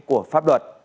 của pháp luật